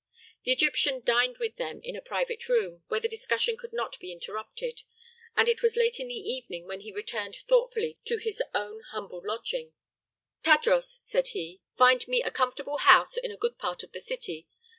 The Egyptian dined with them in a private room, where the discussion could not be interrupted, and it was late in the evening when he returned thoughtfully to his own humble lodging. "Tadros," said he, "find me a comfortable house in a good part of the city.